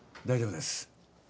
大丈夫です。